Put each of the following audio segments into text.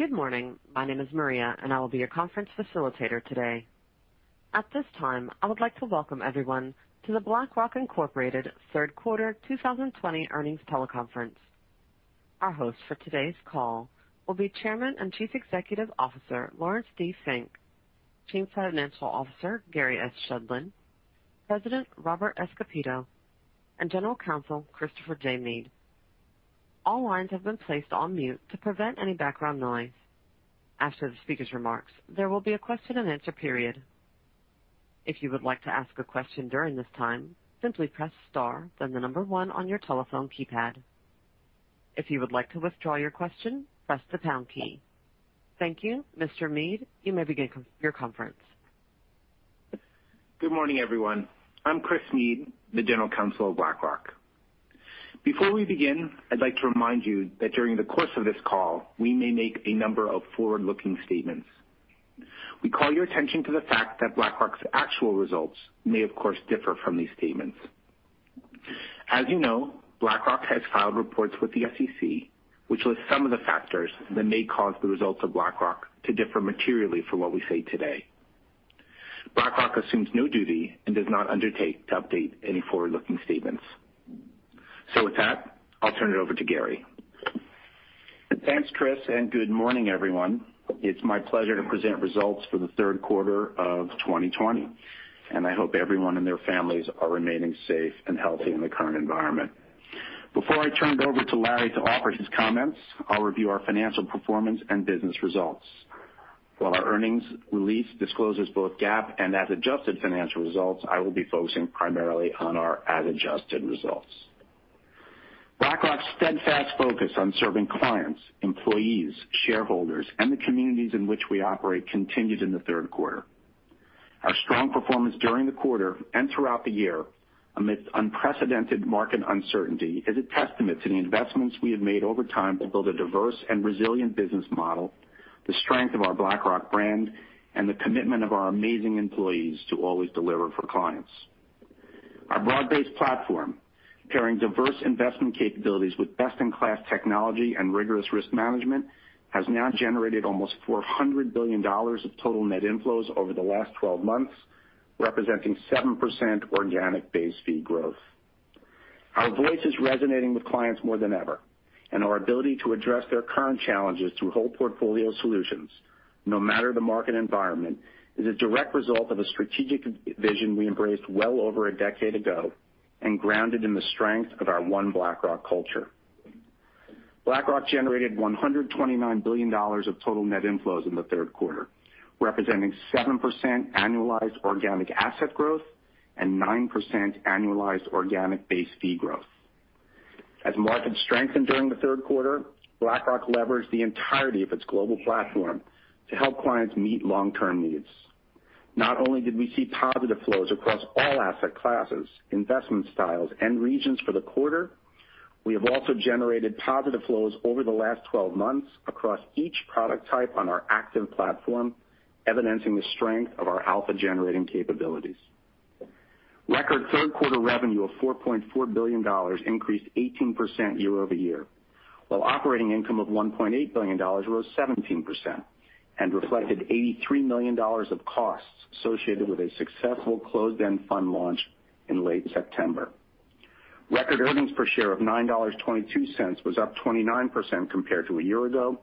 Good morning. My name is Maria, and I will be your conference facilitator today. At this time, I would like to welcome everyone to the BlackRock Incorporated third quarter 2020 earnings teleconference. Our host for today's call will be Chairman and Chief Executive Officer, Laurence D. Fink, Chief Financial Officer, Gary S. Shedlin, President, Robert S. Kapito, and General Counsel, Christopher J. Meade. All lines have been placed on mute to prevent any background noise. After the speaker's remarks, there will be a question and answer period. If you would like to ask a question during this time, simply press star, then the number one on your telephone keypad. If you would like to withdraw your question, press the pound key. Thank you. Mr. Meade, you may begin your conference. Good morning, everyone. I'm Chris Meade, the General Counsel of BlackRock. Before we begin, I'd like to remind you that during the course of this call, we may make a number of forward-looking statements. We call your attention to the fact that BlackRock's actual results may, of course, differ from these statements. As you know, BlackRock has filed reports with the SEC, which list some of the factors that may cause the results of BlackRock to differ materially from what we say today. BlackRock assumes no duty and does not undertake to update any forward-looking statements. With that, I'll turn it over to Gary. Thanks, Chris, and good morning, everyone. It's my pleasure to present results for the third quarter of 2020, and I hope everyone and their families are remaining safe and healthy in the current environment. Before I turn it over to Larry to offer his comments, I'll review our financial performance and business results. While our earnings release discloses both GAAP and as-adjusted financial results, I will be focusing primarily on our as-adjusted results. BlackRock's steadfast focus on serving clients, employees, shareholders, and the communities in which we operate continued in the third quarter. Our strong performance during the quarter and throughout the year, amid unprecedented market uncertainty, is a testament to the investments we have made over time to build a diverse and resilient business model, the strength of our BlackRock brand, and the commitment of our amazing employees to always deliver for clients. Our broad-based platform, pairing diverse investment capabilities with best-in-class technology and rigorous risk management, has now generated almost $400 billion of total net inflows over the last 12 months, representing 7% organic base fee growth. Our voice is resonating with clients more than ever, and our ability to address their current challenges through whole portfolio solutions, no matter the market environment, is a direct result of a strategic vision we embraced well over a decade ago and grounded in the strength of our One BlackRock culture. BlackRock generated $129 billion of total net inflows in the third quarter, representing 7% annualized organic asset growth and 9% annualized organic base fee growth. As markets strengthened during the third quarter, BlackRock leveraged the entirety of its global platform to help clients meet long-term needs. Not only did we see positive flows across all asset classes, investment styles, and regions for the quarter, we have also generated positive flows over the last 12 months across each product type on our active platform, evidencing the strength of our alpha-generating capabilities. Record third quarter revenue of $4.4 billion increased 18% year-over-year, while operating income of $1.8 billion rose 17% and reflected $83 million of costs associated with a successful closed-end fund launch in late September. Record earnings per share of $9.22 was up 29% compared to a year ago,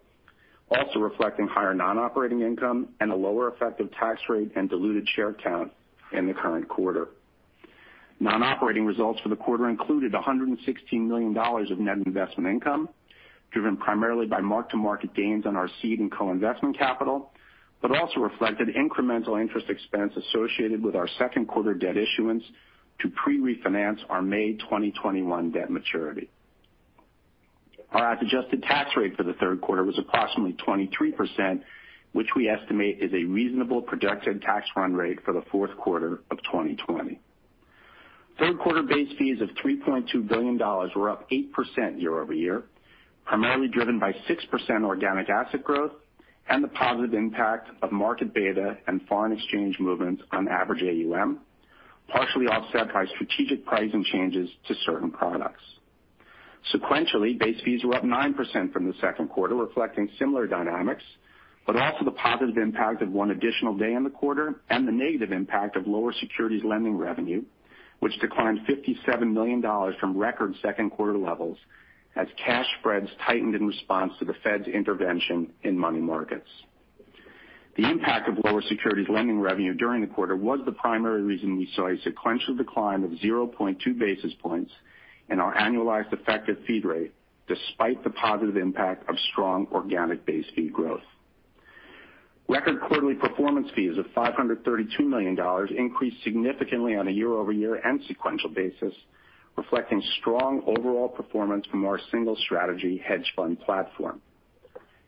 also reflecting higher non-operating income and a lower effective tax rate and diluted share count in the current quarter. Non-operating results for the quarter included $116 million of net investment income, driven primarily by mark-to-market gains on our seed and co-investment capital, but also reflected incremental interest expense associated with our second quarter debt issuance to pre-refinance our May 2021 debt maturity. Our as-adjusted tax rate for the third quarter was approximately 23%, which we estimate is a reasonable projected tax run rate for the fourth quarter of 2020. Third quarter base fees of $3.2 billion were up 8% year-over-year, primarily driven by 6% organic asset growth and the positive impact of market beta and foreign exchange movements on average AUM, partially offset by strategic pricing changes to certain products. Sequentially, base fees were up 9% from the second quarter, reflecting similar dynamics, but also the positive impact of one additional day in the quarter and the negative impact of lower securities lending revenue, which declined $57 million from record second quarter levels as cash spreads tightened in response to the Fed's intervention in money markets. The impact of lower securities lending revenue during the quarter was the primary reason we saw a sequential decline of 0.2 basis points in our annualized effective fee rate, despite the positive impact of strong organic base fee growth. Record quarterly performance fees of $532 million increased significantly on a year-over-year and sequential basis, reflecting strong overall performance from our single strategy hedge fund platform.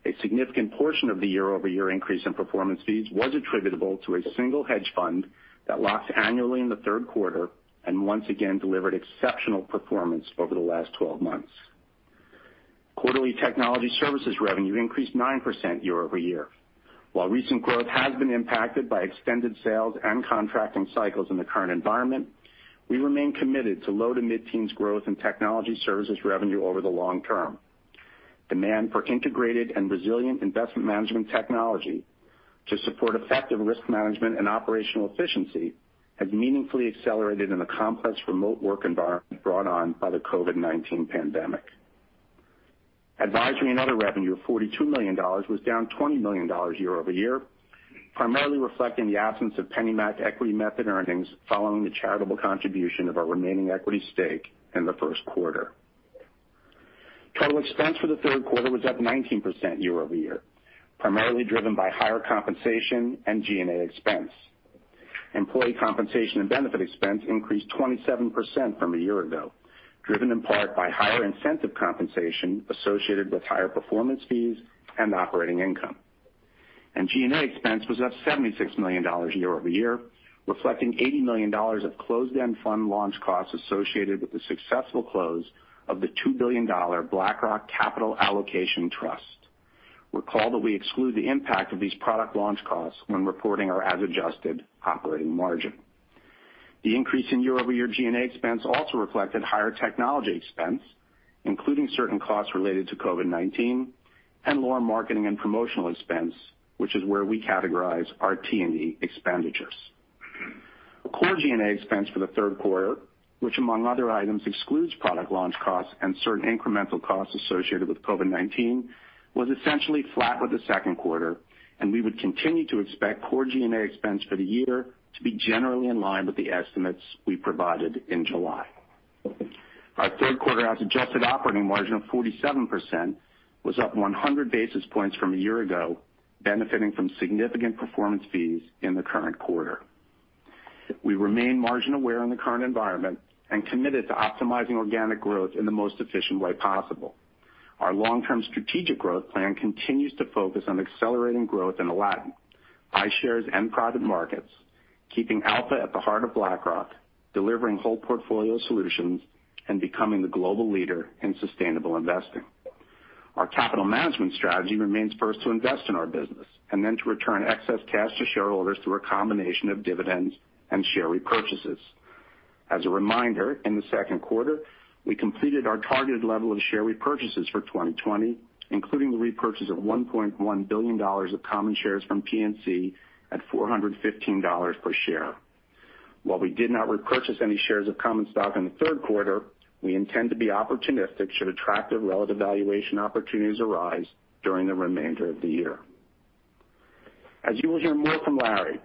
A significant portion of the year-over-year increase in performance fees was attributable to a single hedge fund that locks annually in the third quarter and once again delivered exceptional performance over the last 12 months. Quarterly technology services revenue increased 9% year-over-year. While recent growth has been impacted by extended sales and contracting cycles in the current environment, we remain committed to low-to-mid-teens growth in technology services revenue over the long term. Demand for integrated and resilient investment management technology to support effective risk management and operational efficiency has meaningfully accelerated in the complex remote work environment brought on by the COVID-19 pandemic. Advisory and other revenue of $42 million was down $20 million year-over-year, primarily reflecting the absence of PennyMac equity method earnings following the charitable contribution of our remaining equity stake in the first quarter. Total expense for the third quarter was up 19% year-over-year, primarily driven by higher compensation and G&A expense. Employee compensation and benefit expense increased 27% from a year ago, driven in part by higher incentive compensation associated with higher performance fees and operating income. G&A expense was up $76 million year-over-year, reflecting $80 million of closed-end fund launch costs associated with the successful close of the $2 billion BlackRock Capital Allocation Trust. Recall that we exclude the impact of these product launch costs when reporting our as-adjusted operating margin. The increase in year-over-year G&A expense also reflected higher technology expense, including certain costs related to COVID-19 and lower marketing and promotional expense, which is where we categorize our T&E expenditures. Core G&A expense for the third quarter, which among other items excludes product launch costs and certain incremental costs associated with COVID-19, was essentially flat with the second quarter, and we would continue to expect core G&A expense for the year to be generally in line with the estimates we provided in July. Our third quarter as-adjusted operating margin of 47% was up 100 basis points from a year ago, benefiting from significant performance fees in the current quarter. We remain margin-aware in the current environment and committed to optimizing organic growth in the most efficient way possible. Our long-term strategic growth plan continues to focus on accelerating growth in Aladdin, iShares and private markets, keeping alpha at the heart of BlackRock, delivering whole portfolio solutions, and becoming the global leader in sustainable investing. Our capital management strategy remains first to invest in our business, and then to return excess cash to shareholders through a combination of dividends and share repurchases. As a reminder, in the second quarter, we completed our targeted level of share repurchases for 2020, including the repurchase of $1.1 billion of common shares from PNC at $415 per share. While we did not repurchase any shares of common stock in the third quarter, we intend to be opportunistic should attractive relative valuation opportunities arise during the remainder of the year. As you will hear more from Larry,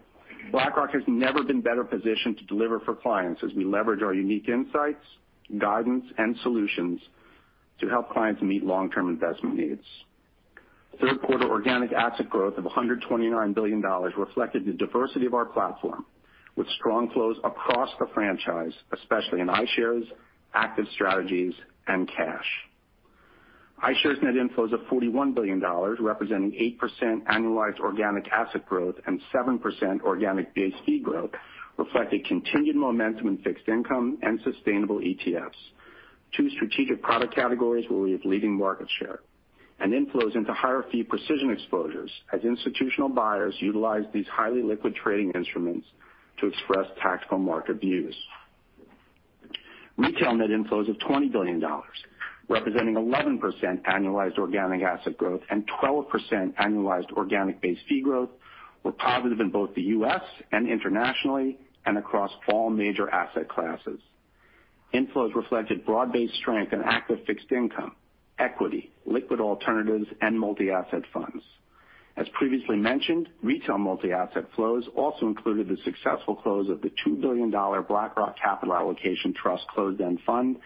BlackRock has never been better positioned to deliver for clients as we leverage our unique insights, guidance, and solutions to help clients meet long-term investment needs. Third quarter organic asset growth of $129 billion reflected the diversity of our platform with strong flows across the franchise, especially in iShares, active strategies, and cash. iShares net inflows of $41 billion, representing 8% annualized organic asset growth and 7% organic base fee growth, reflected continued momentum in fixed income and sustainable ETFs. Two strategic product categories where we have leading market share and inflows into higher fee precision exposures as institutional buyers utilize these highly liquid trading instruments to express tactical market views. Retail net inflows of $20 billion, representing 11% annualized organic asset growth and 12% annualized organic base fee growth, were positive in both the U.S. and internationally, and across all major asset classes. Inflows reflected broad-based strength in active fixed income, equity, liquid alternatives, and multi-asset funds. As previously mentioned, retail multi-asset flows also included the successful close of the $2 billion BlackRock Capital Allocation Trust closed-end fund,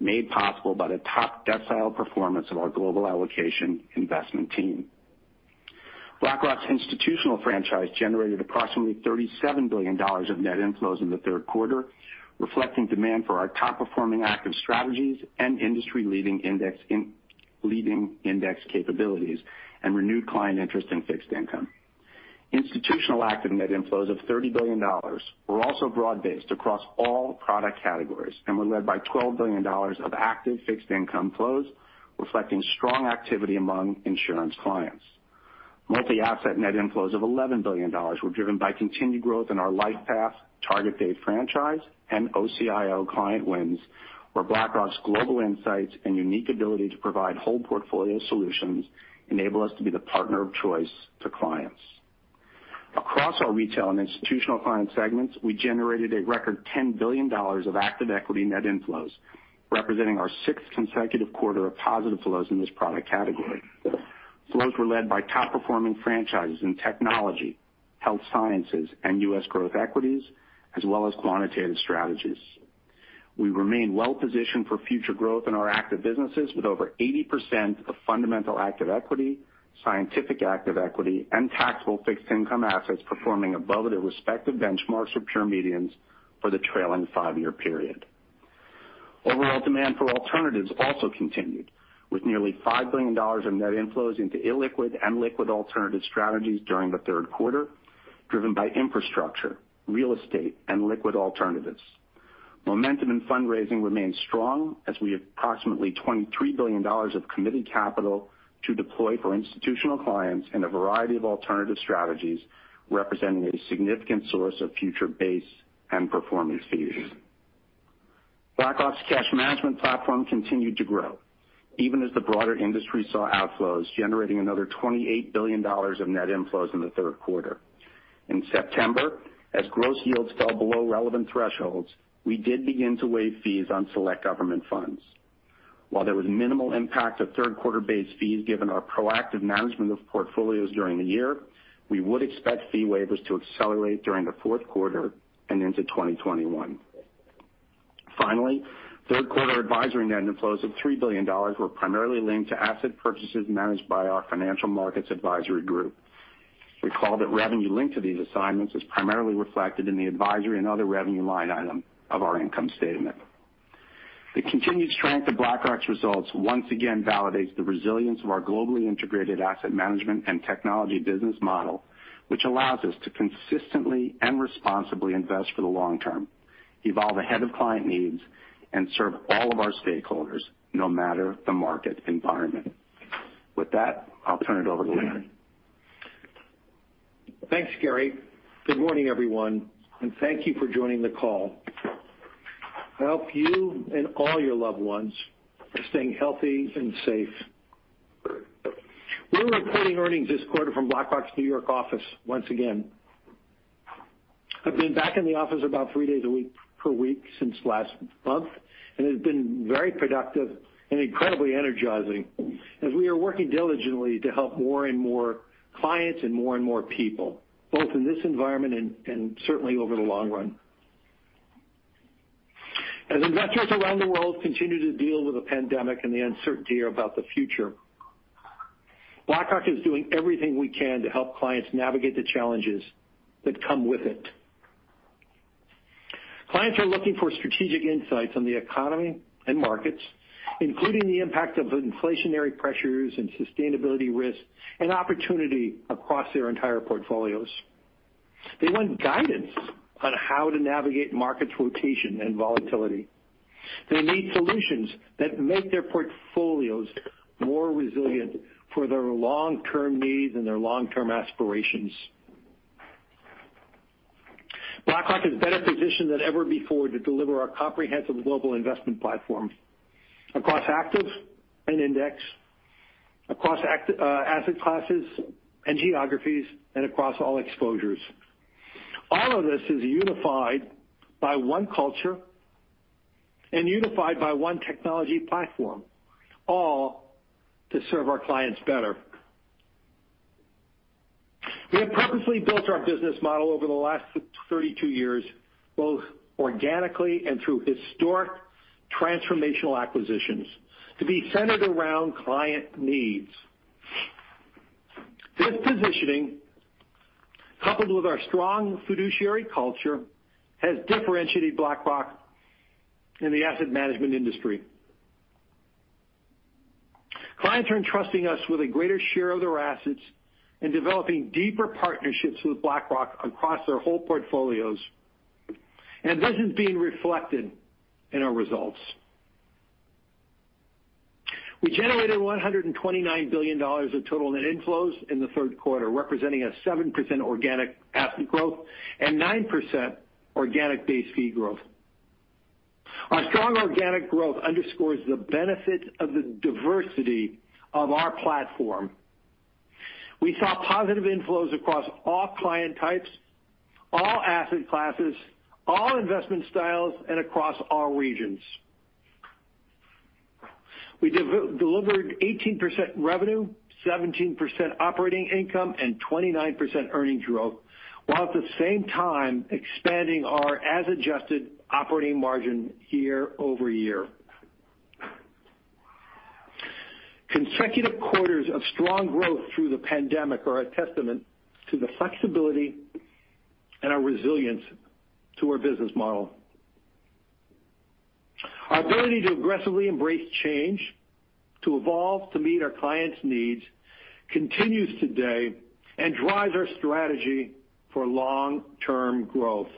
made possible by the top-decile performance of our global allocation investment team. BlackRock's institutional franchise generated approximately $37 billion of net inflows in the third quarter, reflecting demand for our top-performing active strategies and industry-leading index capabilities and renewed client interest in fixed income. Institutional active net inflows of $30 billion were also broad-based across all product categories and were led by $12 billion of active fixed income flows, reflecting strong activity among insurance clients. Multi-asset net inflows of $11 billion were driven by continued growth in our LifePath target date franchise and OCIO client wins, where BlackRock's global insights and unique ability to provide whole portfolio solutions enable us to be the partner of choice to clients. Across our retail and institutional client segments, we generated a record $10 billion of active equity net inflows, representing our sixth consecutive quarter of positive flows in this product category. Flows were led by top-performing franchises in technology, health sciences, and U.S. growth equities, as well as quantitative strategies. We remain well-positioned for future growth in our active businesses with over 80% of fundamental active equity, scientific active equity, and taxable fixed income assets performing above their respective benchmarks or peer medians for the trailing five-year period. Overall demand for alternatives also continued, with nearly $5 billion in net inflows into illiquid and liquid alternative strategies during the third quarter, driven by infrastructure, real estate, and liquid alternatives. Momentum in fundraising remains strong as we have approximately $23 billion of committed capital to deploy for institutional clients in a variety of alternative strategies, representing a significant source of future base and performance fees. BlackRock's cash management platform continued to grow, even as the broader industry saw outflows, generating another $28 billion of net inflows in the third quarter. In September, as gross yields fell below relevant thresholds, we did begin to waive fees on select government funds. While there was minimal impact of third quarter base fees given our proactive management of portfolios during the year, we would expect fee waivers to accelerate during the fourth quarter and into 2021. Finally, third quarter advisory net inflows of $3 billion were primarily linked to asset purchases managed by our Financial Markets Advisory group. Recall that revenue linked to these assignments is primarily reflected in the advisory and other revenue line item of our income statement. The continued strength of BlackRock's results once again validates the resilience of our globally integrated asset management and technology business model, which allows us to consistently and responsibly invest for the long term, evolve ahead of client needs, and serve all of our stakeholders, no matter the market environment. With that, I'll turn it over to Larry. Thanks, Gary. Good morning, everyone, and thank you for joining the call. I hope you and all your loved ones are staying healthy and safe. We're reporting earnings this quarter from BlackRock's New York office once again. I've been back in the office about three days per week since last month, and it has been very productive and incredibly energizing as we are working diligently to help more and more clients and more and more people, both in this environment and certainly over the long run. As investors around the world continue to deal with the pandemic and the uncertainty about the future, BlackRock is doing everything we can to help clients navigate the challenges that come with it. Clients are looking for strategic insights on the economy and markets, including the impact of inflationary pressures and sustainability risks and opportunity across their entire portfolios. They want guidance on how to navigate market rotation and volatility. They need solutions that make their portfolios more resilient for their long-term needs and their long-term aspirations. BlackRock is better positioned than ever before to deliver our comprehensive global investment platform across active and index, across asset classes and geographies, and across all exposures. All of this is unified by one culture and unified by one technology platform, all to serve our clients better. We have purposely built our business model over the last 32 years, both organically and through historic transformational acquisitions, to be centered around client needs. This positioning, coupled with our strong fiduciary culture, has differentiated BlackRock in the asset management industry. Clients are entrusting us with a greater share of their assets and developing deeper partnerships with BlackRock across their whole portfolios. This is being reflected in our results. We generated $129 billion of total net inflows in the third quarter, representing a 7% organic asset growth and 9% organic base fee growth. Our strong organic growth underscores the benefit of the diversity of our platform. We saw positive inflows across all client types, all asset classes, all investment styles, and across all regions. We delivered 18% revenue, 17% operating income, and 29% earnings growth, while at the same time expanding our as-adjusted operating margin year-over-year. Consecutive quarters of strong growth through the pandemic are a testament to the flexibility and our resilience to our business model. Our ability to aggressively embrace change, to evolve to meet our clients' needs, continues today and drives our strategy for long-term growth.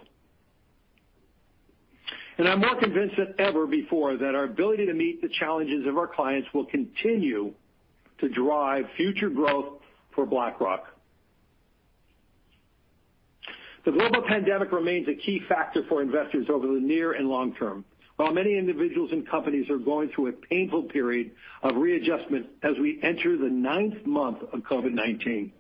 I'm more convinced than ever before that our ability to meet the challenges of our clients will continue to drive future growth for BlackRock. The global pandemic remains a key factor for investors over the near and long term. While many individuals and companies are going through a painful period of readjustment as we enter the ninth month of COVID-19,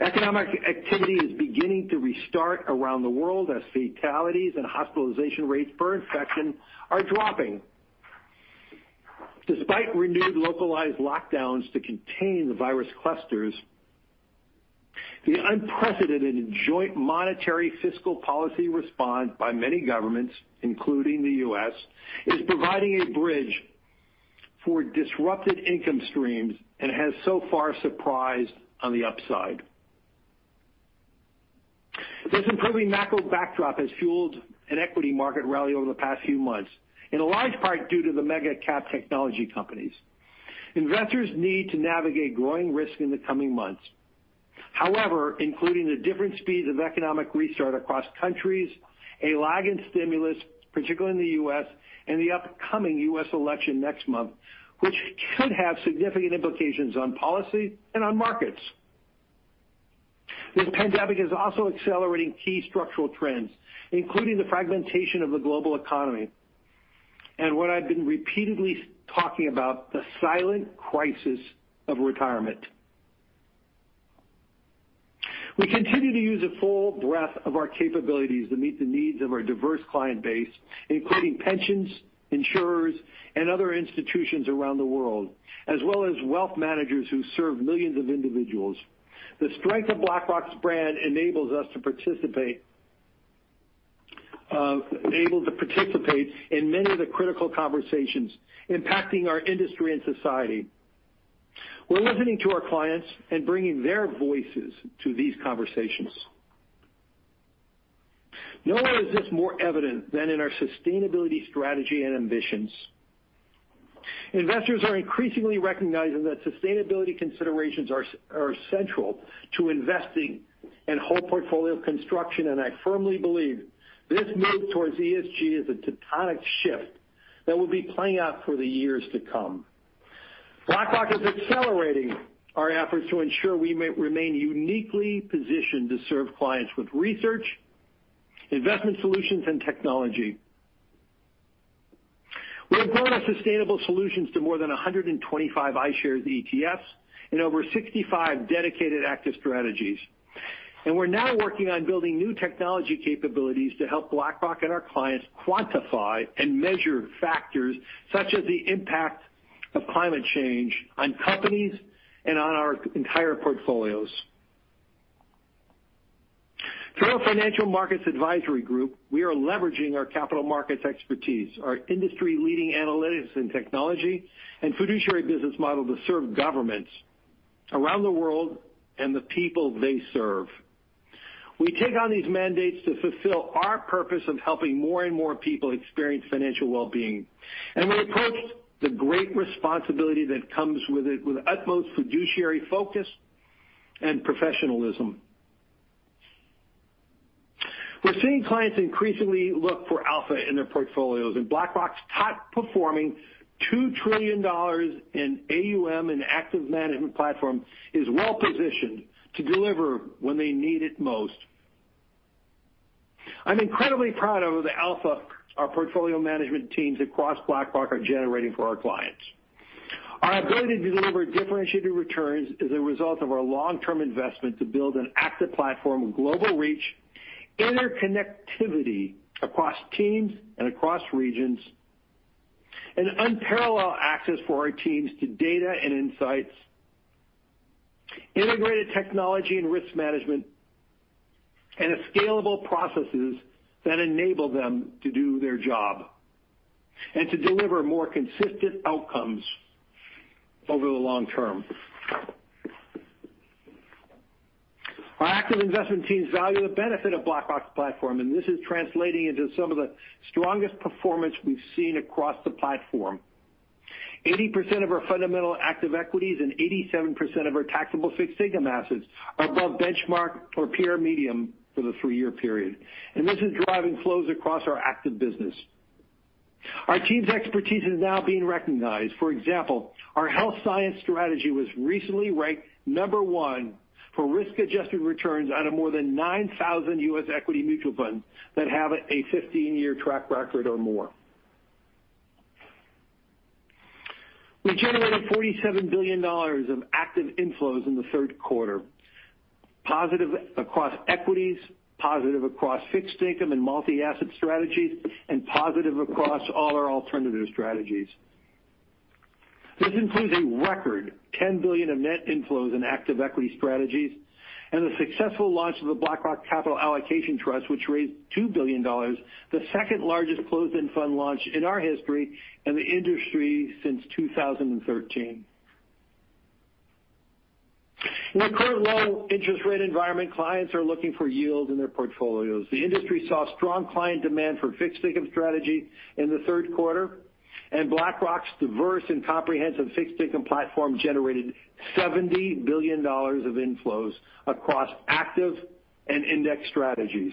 economic activity is beginning to restart around the world as fatalities and hospitalization rates per infection are dropping. Despite renewed localized lockdowns to contain the virus clusters, the unprecedented joint monetary fiscal policy response by many governments, including the U.S., is providing a bridge for disrupted income streams and has so far surprised on the upside. This improving macro backdrop has fueled an equity market rally over the past few months, in large part due to the mega-cap technology companies. Investors need to navigate growing risk in the coming months. However, including the different speeds of economic restart across countries, a lag in stimulus, particularly in the U.S., and the upcoming U.S. election next month, which could have significant implications on policy and on markets. This pandemic is also accelerating key structural trends, including the fragmentation of the global economy and what I've been repeatedly talking about, the silent crisis of retirement. We continue to use a full breadth of our capabilities to meet the needs of our diverse client base, including pensions, insurers, and other institutions around the world, as well as wealth managers who serve millions of individuals. The strength of BlackRock's brand enables us to participate in many of the critical conversations impacting our industry and society. We're listening to our clients and bringing their voices to these conversations. Nowhere is this more evident than in our sustainability strategy and ambitions. Investors are increasingly recognizing that sustainability considerations are central to investing in whole portfolio construction, and I firmly believe this move towards ESG is a tectonic shift that will be playing out for the years to come. BlackRock is accelerating our efforts to ensure we remain uniquely positioned to serve clients with research, investment solutions, and technology. We have grown our sustainable solutions to more than 125 iShares ETFs and over 65 dedicated active strategies. We're now working on building new technology capabilities to help BlackRock and our clients quantify and measure factors such as the impact of climate change on companies and on our entire portfolios. Through our Financial Markets Advisory group, we are leveraging our capital markets expertise, our industry-leading analytics and technology, and fiduciary business model to serve governments around the world and the people they serve. We take on these mandates to fulfill our purpose of helping more and more people experience financial well-being. We approach the great responsibility that comes with it with utmost fiduciary focus and professionalism. We're seeing clients increasingly look for alpha in their portfolios, and BlackRock's top-performing $2 trillion in AUM and active management platform is well-positioned to deliver when they need it most. I'm incredibly proud of the alpha our portfolio management teams across BlackRock are generating for our clients. Our ability to deliver differentiated returns is a result of our long-term investment to build an active platform of global reach, interconnectivity across teams and across regions, and unparalleled access for our teams to data and insights, integrated technology and risk management, and scalable processes that enable them to do their job, and to deliver more consistent outcomes over the long term. Our active investment teams value the benefit of BlackRock's platform, and this is translating into some of the strongest performance we've seen across the platform. 80% of our fundamental active equities and 87% of our taxable fixed income assets are above benchmark or peer median for the three-year period. This is driving flows across our active business. Our team's expertise is now being recognized. For example, our health science strategy was recently ranked number one for risk-adjusted returns out of more than 9,000 U.S. equity mutual funds that have a 15-year track record or more. We generated $47 billion of active inflows in the third quarter. Positive across equities, positive across fixed income and multi-asset strategies, positive across all our alternative strategies. This includes a record $10 billion of net inflows in active equity strategies and the successful launch of the BlackRock Capital Allocation Trust, which raised $2 billion, the second largest closed-end fund launch in our history and the industry since 2013. In the current low interest rate environment, clients are looking for yield in their portfolios. The industry saw strong client demand for fixed income strategy in the third quarter, BlackRock's diverse and comprehensive fixed income platform generated $70 billion of inflows across active and index strategies.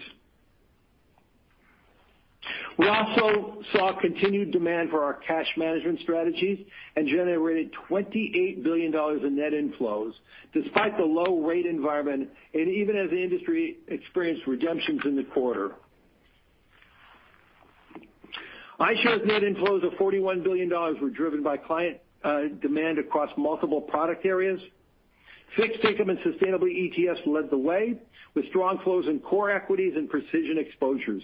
We also saw continued demand for our cash management strategies and generated $28 billion in net inflows despite the low rate environment and even as the industry experienced redemptions in the quarter. iShares net inflows of $41 billion were driven by client demand across multiple product areas. Fixed income and sustainable ETFs led the way with strong flows in core equities and precision exposures.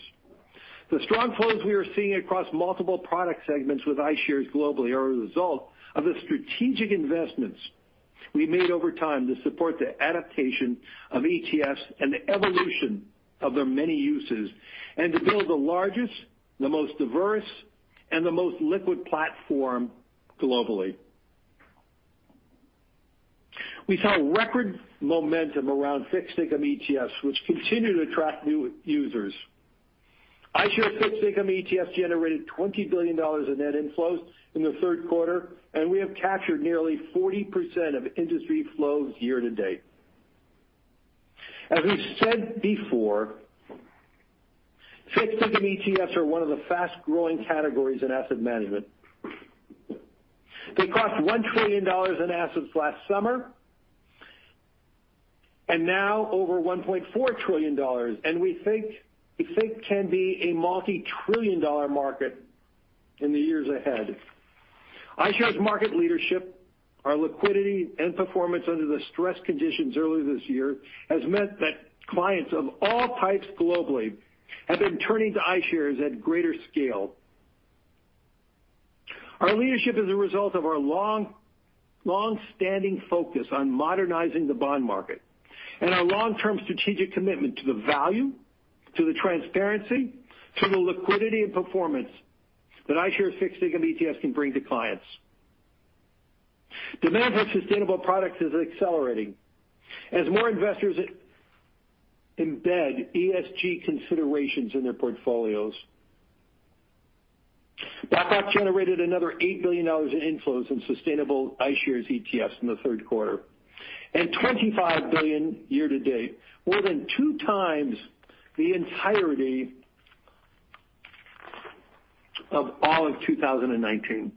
The strong flows we are seeing across multiple product segments with iShares globally are a result of the strategic investments we made over time to support the adaptation of ETFs and the evolution of their many uses, and to build the largest, the most diverse, and the most liquid platform globally. We saw record momentum around fixed income ETFs, which continue to attract new users. iShares Fixed Income ETFs generated $20 billion in net inflows in the third quarter, and we have captured nearly 40% of industry flows year-to-date. As we've said before, fixed income ETFs are one of the fast-growing categories in asset management. They crossed $1 trillion in assets last summer, and now over $1.4 trillion, and we think can be a multi-trillion dollar market in the years ahead. iShares market leadership, our liquidity, and performance under the stress conditions early this year, has meant that clients of all types globally have been turning to iShares at greater scale. Our leadership is a result of our long-standing focus on modernizing the bond market and our long-term strategic commitment to the value, to the transparency, to the liquidity and performance that iShares Fixed Income ETFs can bring to clients. Demand for sustainable products is accelerating as more investors embed ESG considerations in their portfolios. BlackRock generated another $8 billion in inflows in sustainable iShares ETFs in the third quarter, and $25 billion year-to-date, more than two times the entirety of all of 2019.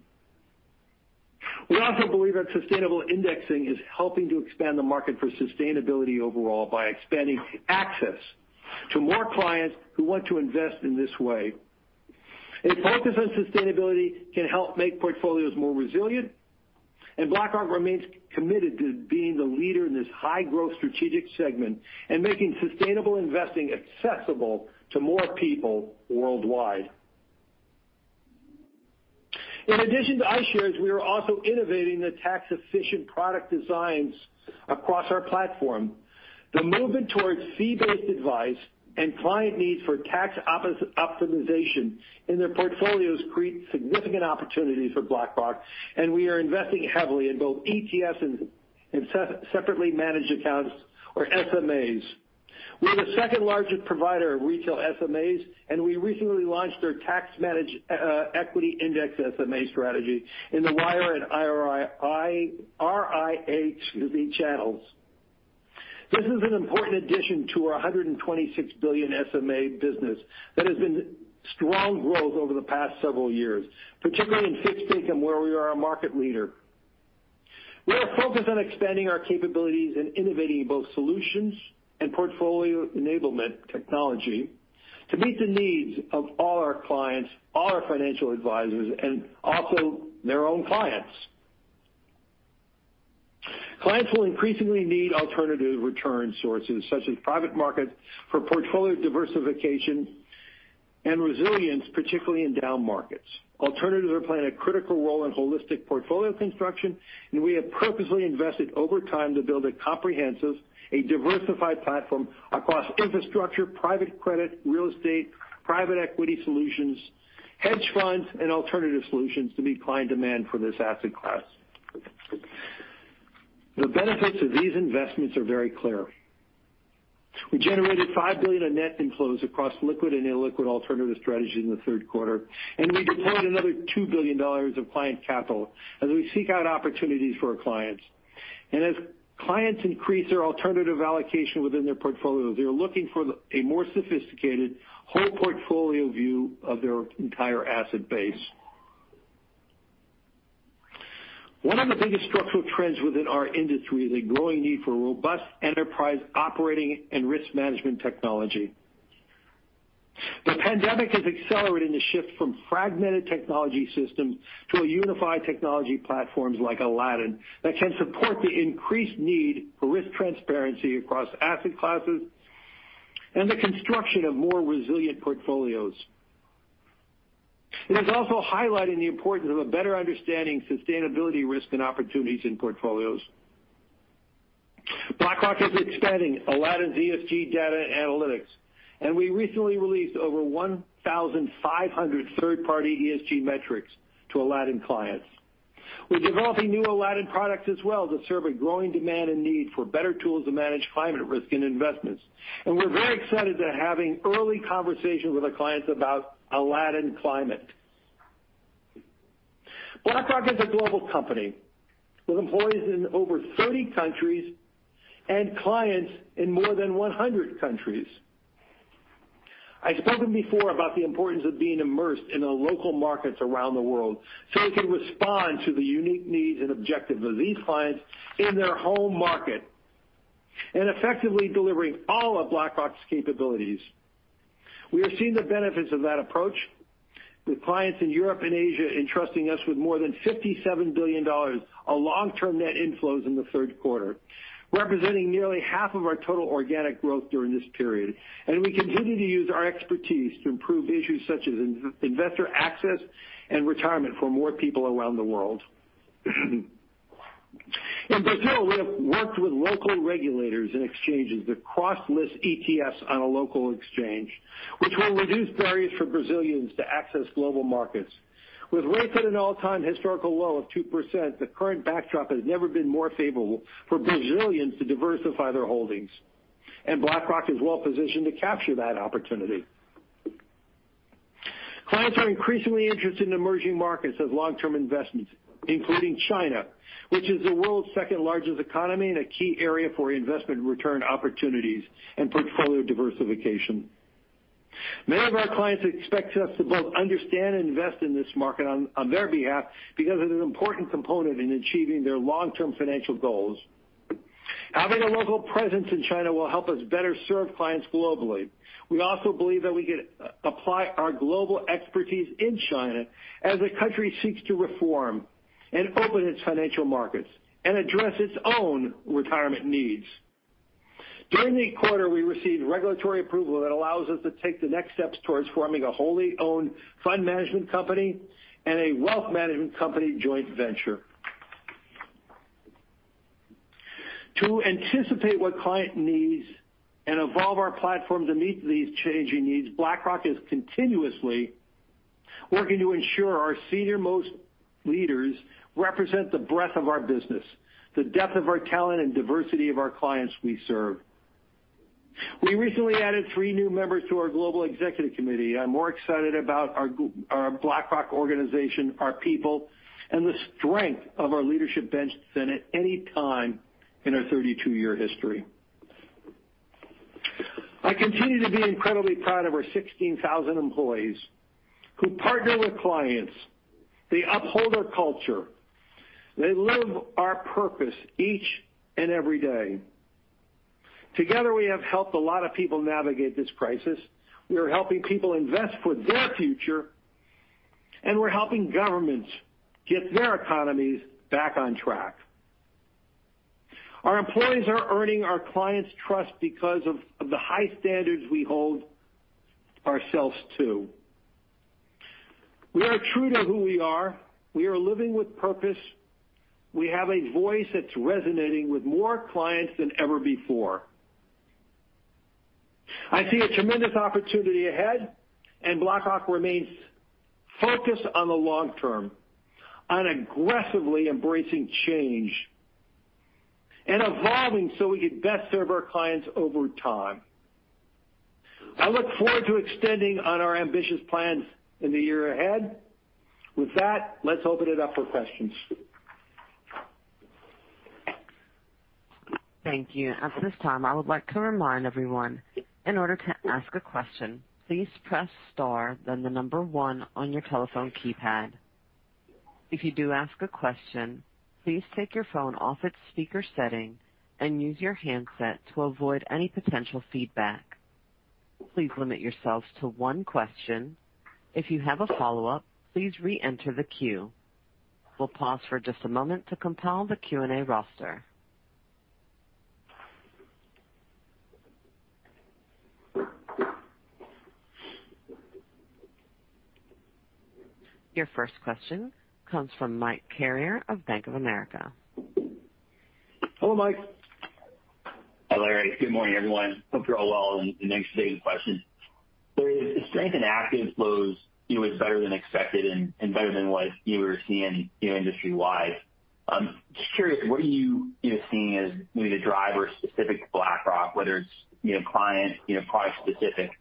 We also believe that sustainable indexing is helping to expand the market for sustainability overall by expanding access to more clients who want to invest in this way. A focus on sustainability can help make portfolios more resilient. BlackRock remains committed to being the leader in this high-growth strategic segment and making sustainable investing accessible to more people worldwide. In addition to iShares, we are also innovating the tax-efficient product designs across our platform. The movement towards fee-based advice and client needs for tax optimization in their portfolios create significant opportunities for BlackRock. We are investing heavily in both ETFs and separately managed accounts or SMAs. We are the second-largest provider of retail SMAs. We recently launched our tax-managed equity index SMA strategy in the wire and RIA channels. This is an important addition to our $126 billion SMA business that has been strong growth over the past several years, particularly in fixed income where we are a market leader. We are focused on expanding our capabilities and innovating both solutions and portfolio enablement technology to meet the needs of all our clients, all our financial advisors, and also their own clients. Clients will increasingly need alternative return sources, such as private markets, for portfolio diversification and resilience, particularly in down markets. Alternatives are playing a critical role in holistic portfolio construction, and we have purposely invested over time to build a comprehensive, a diversified platform across infrastructure, private credit, real estate, private equity solutions, hedge funds, and alternative solutions to meet client demand for this asset class. The benefits of these investments are very clear. We generated $5 billion of net inflows across liquid and illiquid alternative strategies in the third quarter, and we deployed another $2 billion of client capital as we seek out opportunities for our clients. As clients increase their alternative allocation within their portfolios, they're looking for a more sophisticated whole portfolio view of their entire asset base. One of the biggest structural trends within our industry is a growing need for robust enterprise operating and risk management technology. The pandemic has accelerated the shift from fragmented technology systems to a unified technology platforms like Aladdin that can support the increased need for risk transparency across asset classes and the construction of more resilient portfolios. It is also highlighting the importance of a better understanding sustainability risk and opportunities in portfolios. BlackRock is expanding Aladdin's ESG data analytics. We recently released over 1,500 third-party ESG metrics to Aladdin clients. We're developing new Aladdin products as well to serve a growing demand and need for better tools to manage climate risk and investments. We're very excited to having early conversations with our clients about Aladdin Climate. BlackRock is a global company with employees in over 30 countries and clients in more than 100 countries. I've spoken before about the importance of being immersed in the local markets around the world so we can respond to the unique needs and objectives of these clients in their home market and effectively delivering all of BlackRock's capabilities. We have seen the benefits of that approach with clients in Europe and Asia entrusting us with more than $57 billion of long-term net inflows in the third quarter, representing nearly half of our total organic growth during this period. We continue to use our expertise to improve issues such as investor access and retirement for more people around the world. In Brazil, we have worked with local regulators and exchanges to cross-list ETFs on a local exchange, which will reduce barriers for Brazilians to access global markets. With rates at an all-time historical low of 2%, the current backdrop has never been more favorable for Brazilians to diversify their holdings, and BlackRock is well positioned to capture that opportunity. Clients are increasingly interested in emerging markets as long-term investments, including China, which is the world's second largest economy and a key area for investment return opportunities and portfolio diversification. Many of our clients expect us to both understand and invest in this market on their behalf because it's an important component in achieving their long-term financial goals. Having a local presence in China will help us better serve clients globally. We also believe that we could apply our global expertise in China as the country seeks to reform and open its financial markets and address its own retirement needs. During the quarter, we received regulatory approval that allows us to take the next steps towards forming a wholly owned fund management company and a wealth management company joint venture. To anticipate what client needs and evolve our platform to meet these changing needs, BlackRock is continuously working to ensure our senior-most leaders represent the breadth of our business, the depth of our talent, and diversity of our clients we serve. We recently added three new members to our global executive committee. I'm more excited about our BlackRock organization, our people, and the strength of our leadership bench than at any time in our 32-year history. I continue to be incredibly proud of our 16,000 employees who partner with clients. They uphold our culture. They live our purpose each and every day. Together, we have helped a lot of people navigate this crisis. We are helping people invest for their future, and we're helping governments get their economies back on track. Our employees are earning our clients' trust because of the high standards we hold ourselves to. We are true to who we are. We are living with purpose. We have a voice that's resonating with more clients than ever before. I see a tremendous opportunity ahead, and BlackRock remains focused on the long term, on aggressively embracing change and evolving so we can best serve our clients over time. I look forward to extending on our ambitious plans in the year ahead. With that, let's open it up for questions. Thank you. At this time, I would like to remind everyone, in order to ask a question, please press star, then the number one on your telephone keypad. If you do ask a question, please take your phone off its speaker setting and use your handset to avoid any potential feedback. Please limit yourselves to one question. If you have a follow-up, please reenter the queue. We'll pause for just a moment to compile the Q&A roster. Your first question comes from Mike Carrier of Bank of America. Hello, Mike. Hi, Larry. Good morning, everyone. Hope you're all well, and thanks for taking the question. Larry, the strength in active flows was better than expected and better than what you were seeing industry-wide. Just curious, what are you seeing as maybe the driver specific to BlackRock, whether it's client, product specific?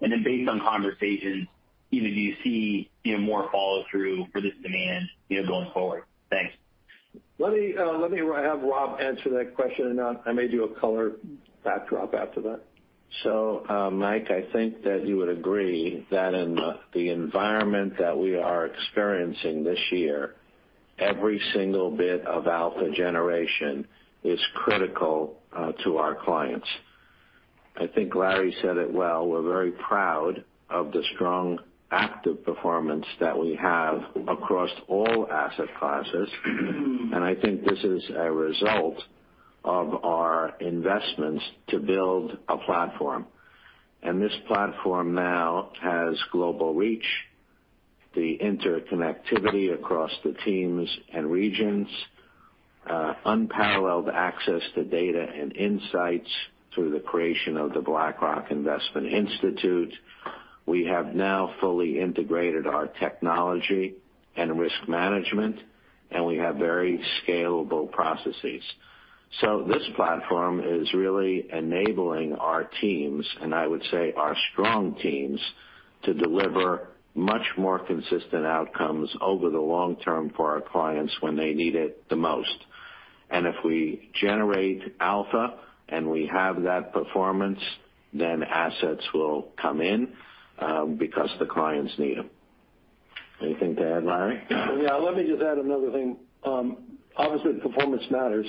Based on conversations, do you see more follow-through for this demand going forward? Thanks. Let me have Rob answer that question, and I may do a color backdrop after that. Mike, I think that you would agree that in the environment that we are experiencing this year, every single bit of alpha generation is critical to our clients. I think Larry said it well. We're very proud of the strong active performance that we have across all asset classes, and I think this is a result of our investments to build a platform. This platform now has global reach, the interconnectivity across the teams and regions, unparalleled access to data and insights through the creation of the BlackRock Investment Institute. We have now fully integrated our technology and risk management, and we have very scalable processes. This platform is really enabling our teams, and I would say our strong teams, to deliver much more consistent outcomes over the long term for our clients when they need it the most. If we generate alpha and we have that performance, then assets will come in because the clients need them. Anything to add, Larry? Yeah, let me just add another thing. Obviously, performance matters,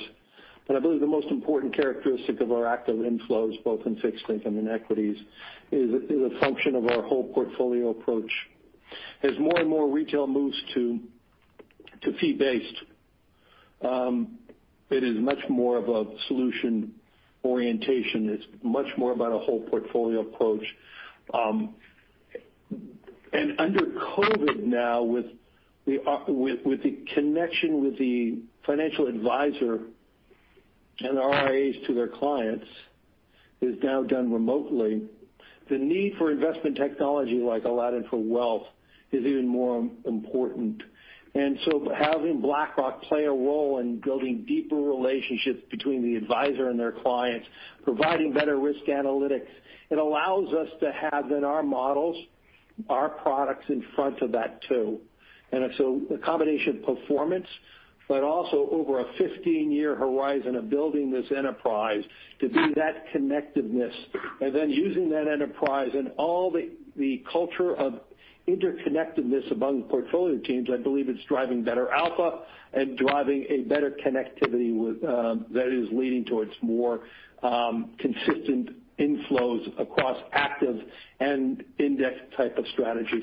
but I believe the most important characteristic of our active inflows, both in fixed income and equities, is a function of our whole portfolio approach. As more and more retail moves to fee-based, it is much more of a solution orientation. It's much more about a whole portfolio approach. Under COVID-19 now, with the connection with the financial advisor and RIAs to their clients is now done remotely, the need for investment technology like Aladdin for Wealth is even more important. Having BlackRock play a role in building deeper relationships between the advisor and their clients, providing better risk analytics, it allows us to have in our models Our products in front of that too. If so, a combination of performance, but also over a 15-year horizon of building this enterprise to be that connectiveness and then using that enterprise and all the culture of interconnectedness among the portfolio teams, I believe it's driving better alpha and driving a better connectivity that is leading towards more consistent inflows across active and index type of strategies.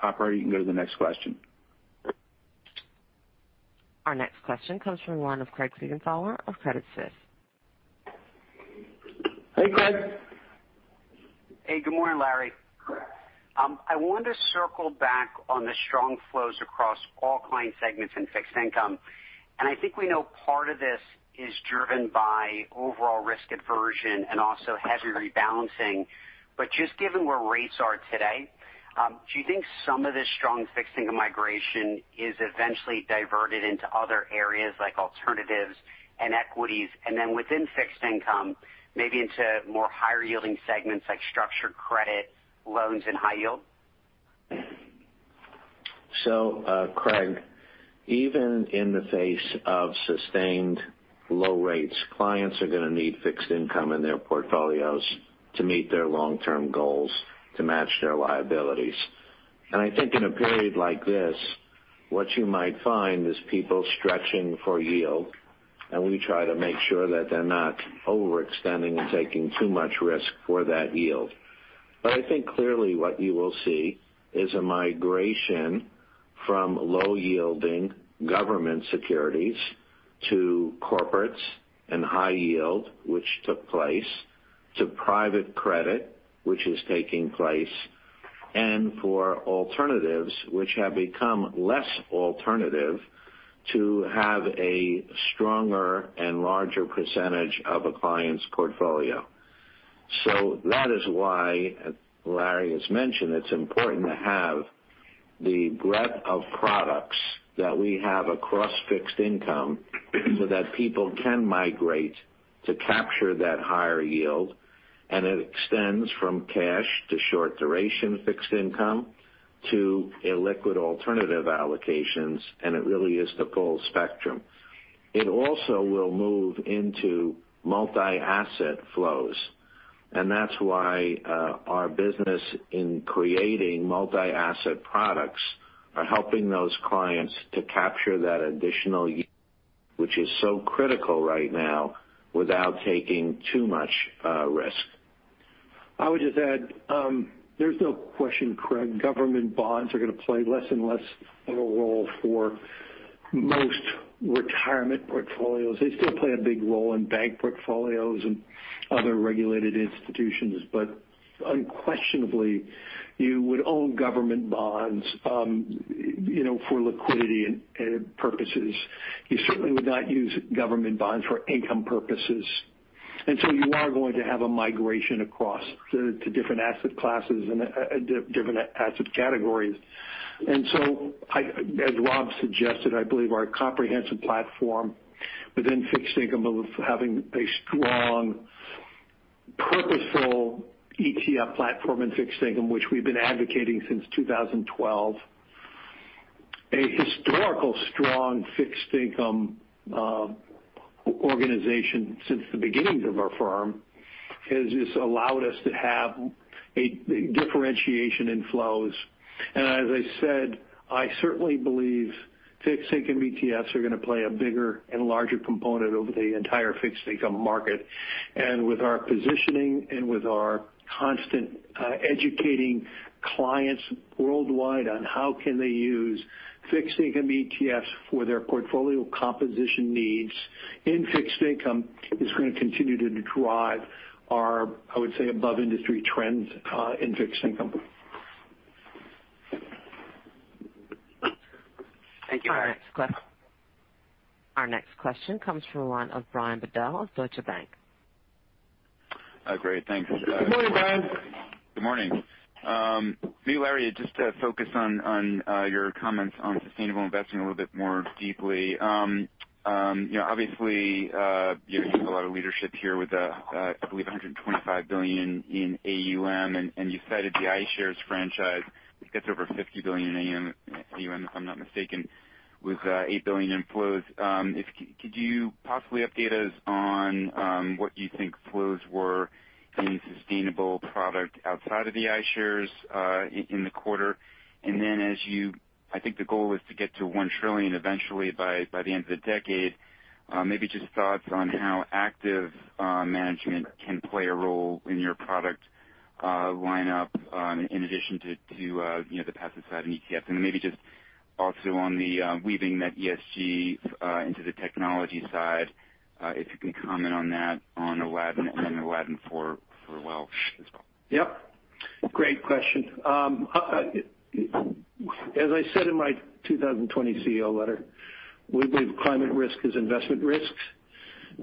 Operator, you can go to the next question. Our next question comes from the line of Craig Siegenthaler of Credit Suisse. Hey, Craig. Hey, good morning, Larry. I want to circle back on the strong flows across all client segments in fixed income. I think we know part of this is driven by overall risk aversion and also heavy rebalancing. Just given where rates are today, do you think some of this strong fixed income migration is eventually diverted into other areas like alternatives and equities, then within fixed income, maybe into more higher yielding segments like structured credit loans and high yield? Craig, even in the face of sustained low rates, clients are going to need fixed income in their portfolios to meet their long-term goals, to match their liabilities. I think in a period like this, what you might find is people stretching for yield, and we try to make sure that they're not overextending and taking too much risk for that yield. I think clearly what you will see is a migration from low-yielding government securities to corporates and high yield, which took place, to private credit, which is taking place, and for alternatives which have become less alternative to have a stronger and larger percentage of a client's portfolio. That is why Larry has mentioned it's important to have the breadth of products that we have across fixed income so that people can migrate to capture that higher yield. It extends from cash to short duration fixed income to illiquid alternative allocations, and it really is the full spectrum. It also will move into multi-asset flows, and that's why our business in creating multi-asset products are helping those clients to capture that additional yield, which is so critical right now without taking too much risk. I would just add, there's no question, Craig, government bonds are going to play less and less of a role for most retirement portfolios. They still play a big role in bank portfolios and other regulated institutions. Unquestionably, you would own government bonds for liquidity purposes. You certainly would not use government bonds for income purposes. You are going to have a migration across to different asset classes and different asset categories. As Rob suggested, I believe our comprehensive platform within fixed income, both having a strong, purposeful ETF platform in fixed income, which we've been advocating since 2012, a historical strong fixed income organization since the beginnings of our firm has just allowed us to have a differentiation in flows. As I said, I certainly believe fixed income ETFs are going to play a bigger and larger component over the entire fixed income market. With our positioning and with our constant educating clients worldwide on how can they use fixed income ETFs for their portfolio composition needs in fixed income, is going to continue to drive our, I would say, above-industry trends in fixed income. Thank you. Our next question comes from the line of Brian Bedell of Deutsche Bank. Great. Thanks. Good morning, Brian. Good morning. Larry, just to focus on your comments on sustainable investing a little bit more deeply. Obviously, you have a lot of leadership here with, I believe, $125 billion in AUM, and you cited the iShares franchise, which gets over $50 billion in AUM, if I'm not mistaken, with $8 billion in flows. Could you possibly update us on what you think flows were in sustainable product outside of the iShares in the quarter? Then as you I think the goal is to get to $1 trillion eventually by the end of the decade. Maybe just thoughts on how active management can play a role in your product lineup in addition to the passive side and ETFs. Then maybe just also on the weaving that ESG into the technology side, if you can comment on that on Aladdin and Aladdin for Wealth as well. Yep. Great question. As I said in my 2020 CEO letter, we believe climate risk is investment risks.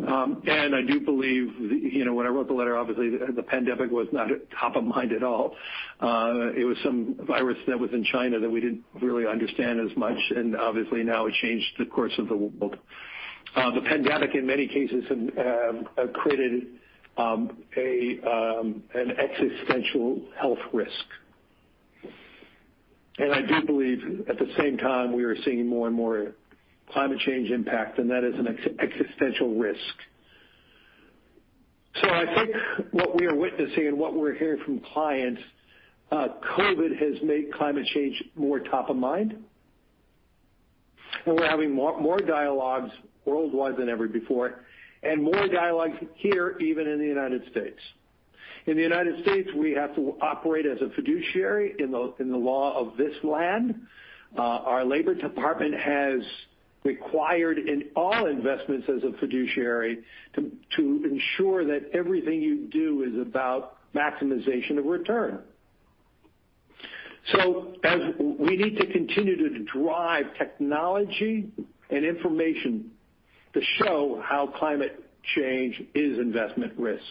I do believe when I wrote the letter, obviously, the pandemic was not top of mind at all. It was some virus that was in China that we didn't really understand as much, and obviously now it changed the course of the world. The pandemic, in many cases, have created an existential health risk. I do believe at the same time, we are seeing more and more climate change impact, and that is an existential risk. I think what we are witnessing and what we're hearing from clients, COVID has made climate change more top of mind, and we're having more dialogues worldwide than ever before, and more dialogues here, even in the United States. In the U.S., we have to operate as a fiduciary in the law of this land. Our Labor Department has required in all investments as a fiduciary to ensure that everything you do is about maximization of return. We need to continue to drive technology and information to show how climate change is investment risk.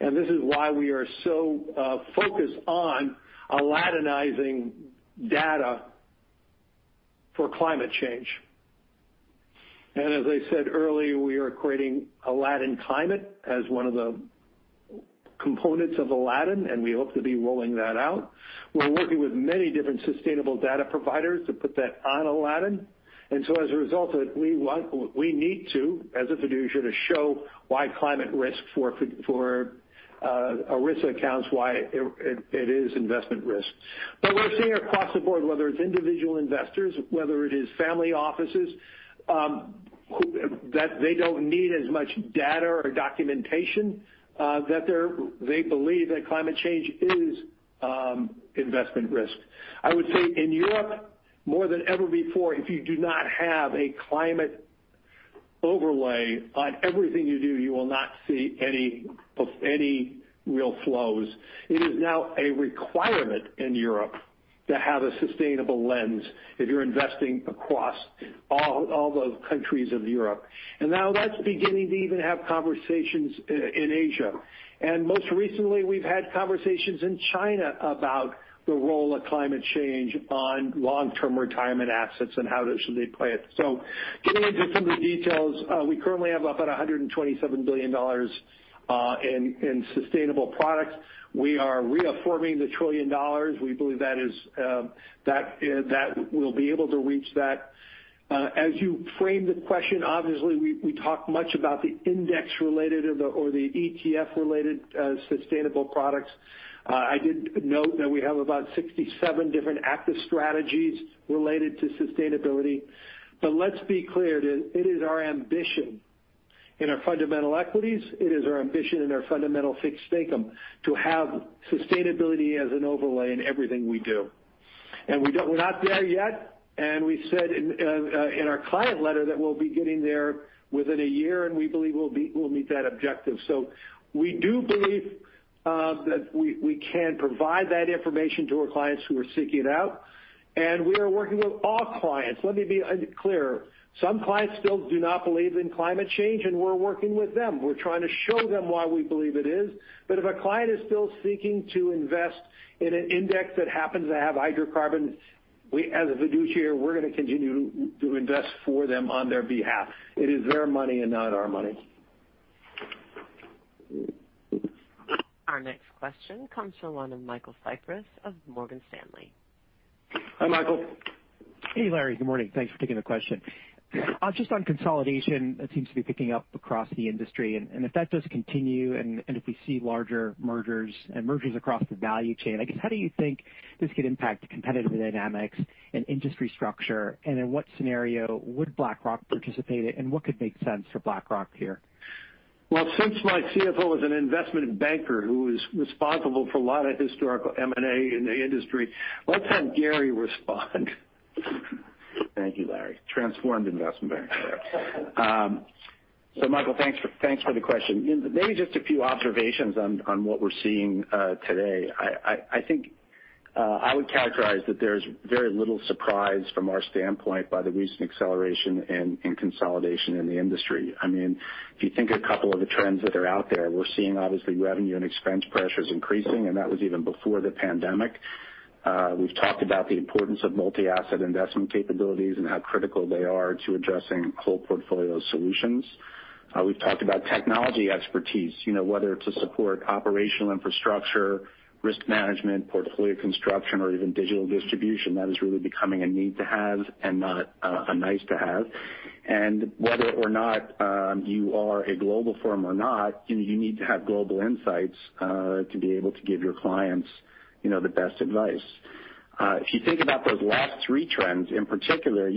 This is why we are so focused on Aladdinizing data for climate change. As I said earlier, we are creating Aladdin Climate as one of the components of Aladdin, and we hope to be rolling that out. We're working with many different sustainable data providers to put that on Aladdin. As a result of it, we need to, as a fiduciary, to show why climate risk for risk accounts, why it is investment risk. We're seeing across the board, whether it's individual investors, whether it is family offices, that they don't need as much data or documentation, that they believe that climate change is investment risk. I would say in Europe, more than ever before, if you do not have a climate overlay on everything you do, you will not see any real flows. It is now a requirement in Europe to have a sustainable lens if you're investing across all the countries of Europe. Now that's beginning to even have conversations in Asia. Most recently, we've had conversations in China about the role of climate change on long-term retirement assets and how they should play it. Getting into some of the details, we currently have about $127 billion in sustainable products. We are reaffirming the $1 trillion. We believe that we'll be able to reach that. As you frame the question, obviously, we talk much about the index related or the ETF related sustainable products. I did note that we have about 67 different active strategies related to sustainability. Let's be clear, it is our ambition in our fundamental equities, it is our ambition in our fundamental fixed income to have sustainability as an overlay in everything we do. We're not there yet, and we said in our client letter that we'll be getting there within a year, and we believe we'll meet that objective. We do believe that we can provide that information to our clients who are seeking it out, and we are working with all clients. Let me be clear. Some clients still do not believe in climate change, and we're working with them. We're trying to show them why we believe it is. If a client is still seeking to invest in an index that happens to have hydrocarbons, we, as a fiduciary, we're going to continue to invest for them on their behalf. It is their money and not our money. Our next question comes from one of Michael Cyprys of Morgan Stanley. Hi, Michael. Hey, Larry. Good morning. Thanks for taking the question. Just on consolidation, it seems to be picking up across the industry, if that does continue, and if we see larger mergers and mergers across the value chain, I guess how do you think this could impact the competitive dynamics and industry structure? In what scenario would BlackRock participate in? What could make sense for BlackRock here? Since my CFO is an investment banker who is responsible for a lot of historical M&A in the industry, let's have Gary respond. Thank you, Larry. Transformed investment banker. Yeah. Michael, thanks for the question. Maybe just a few observations on what we're seeing today. I think I would characterize that there's very little surprise from our standpoint by the recent acceleration in consolidation in the industry. If you think of a couple of the trends that are out there, we're seeing, obviously, revenue and expense pressures increasing, and that was even before the pandemic. We've talked about the importance of multi-asset investment capabilities and how critical they are to addressing whole portfolio solutions. We've talked about technology expertise, whether to support operational infrastructure, risk management, portfolio construction, or even digital distribution. That is really becoming a need to have and not a nice to have. Whether or not you are a global firm or not, you need to have global insights to be able to give your clients the best advice. If you think about those last three trends, in particular,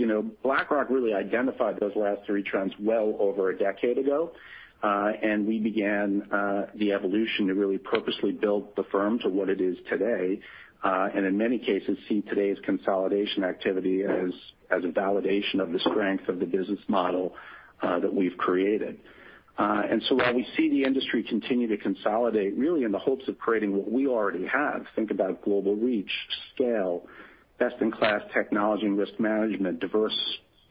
BlackRock really identified those last three trends well over a decade ago. We began the evolution to really purposely build the firm to what it is today. In many cases, see today's consolidation activity as a validation of the strength of the business model that we've created. While we see the industry continue to consolidate, really in the hopes of creating what we already have, think about global reach, scale, best in class technology and risk management, diverse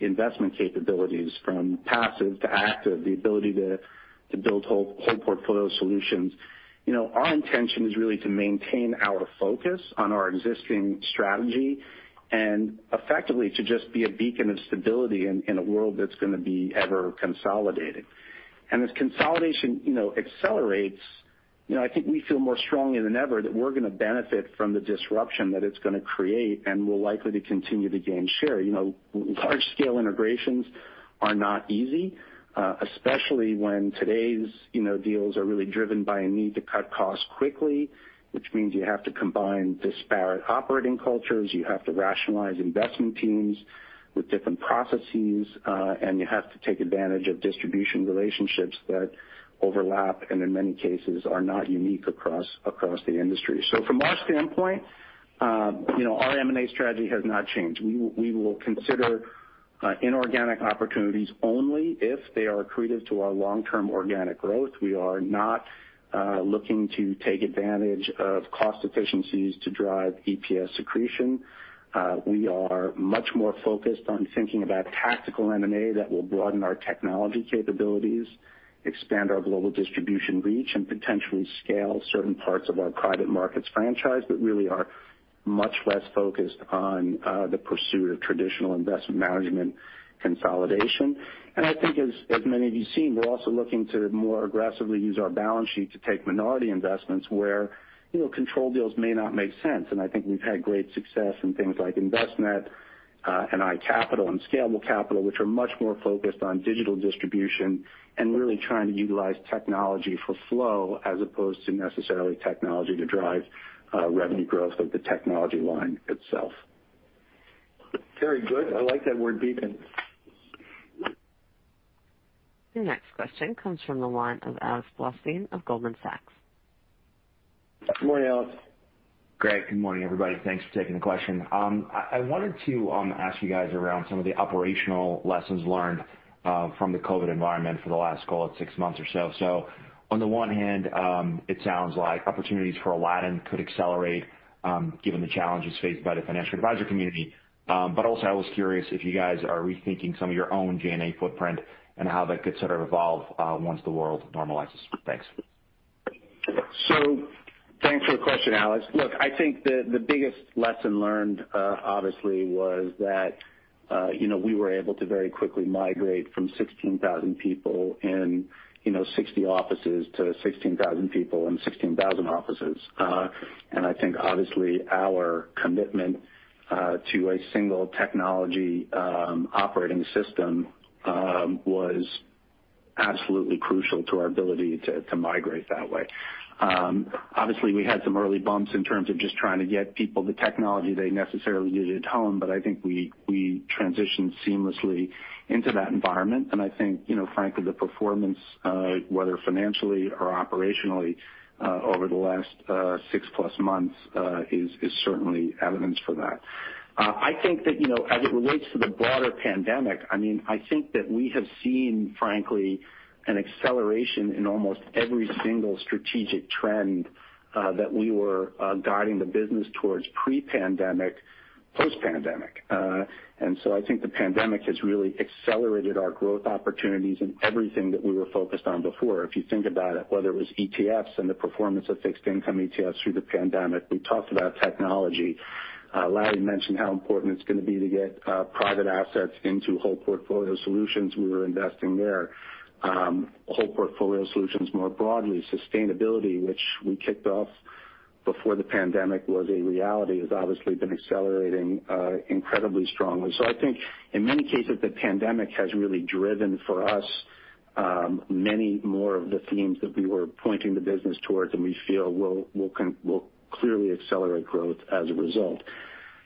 investment capabilities from passive to active, the ability to build whole portfolio solutions. Our intention is really to maintain our focus on our existing strategy and effectively to just be a beacon of stability in a world that's going to be ever consolidating. As consolidation accelerates, I think we feel more strongly than ever that we're going to benefit from the disruption that it's going to create, and we're likely to continue to gain share. Large-scale integrations are not easy, especially when today's deals are really driven by a need to cut costs quickly, which means you have to combine disparate operating cultures, you have to rationalize investment teams with different processes, and you have to take advantage of distribution relationships that overlap and in many cases are not unique across the industry. From our standpoint, our M&A strategy has not changed. We will consider inorganic opportunities only if they are accretive to our long-term organic growth. We are not looking to take advantage of cost efficiencies to drive EPS accretion. We are much more focused on thinking about tactical M&A that will broaden our technology capabilities, expand our global distribution reach, and potentially scale certain parts of our private markets franchise, really are much less focused on the pursuit of traditional investment management consolidation. I think as many of you seen, we're also looking to more aggressively use our balance sheet to take minority investments where control deals may not make sense. I think we've had great success in things like Envestnet and iCapital and Scalable Capital, which are much more focused on digital distribution and really trying to utilize technology for flow as opposed to necessarily technology to drive revenue growth of the technology line itself. Very good. I like that word beacon. Your next question comes from the line of Alex Blostein of Goldman Sachs. Good morning, Alex. Good morning, everybody. Thanks for taking the question. I wanted to ask you guys around some of the operational lessons learned from the COVID-19 environment for the last six months or so. On the one hand, it sounds like opportunities for Aladdin could accelerate given the challenges faced by the financial advisor community. Also I was curious if you guys are rethinking some of your own G&A footprint and how that could sort of evolve once the world normalizes. Thanks. Thanks for the question, Alex. Look, I think the biggest lesson learned, obviously, was that we were able to very quickly migrate from 16,000 people in 60 offices to 16,000 people in 16,000 offices. I think obviously our commitment to a single technology operating system was absolutely crucial to our ability to migrate that way. Obviously, we had some early bumps in terms of just trying to get people the technology they necessarily needed at home, but I think we transitioned seamlessly into that environment. I think, frankly, the performance, whether financially or operationally, over the last six plus months is certainly evidence for that. I think that as it relates to the broader pandemic, I think that we have seen, frankly, an acceleration in almost every single strategic trend that we were guiding the business towards pre-pandemic, post-pandemic. I think the pandemic has really accelerated our growth opportunities in everything that we were focused on before. If you think about it, whether it was ETFs and the performance of fixed income ETFs through the pandemic, we talked about technology. Larry mentioned how important it's going to be to get private assets into whole portfolio solutions. We were investing there. Whole portfolio solutions more broadly, sustainability, which we kicked off before the pandemic was a reality, has obviously been accelerating incredibly strongly. I think in many cases, the pandemic has really driven for us many more of the themes that we were pointing the business towards, and we feel will clearly accelerate growth as a result.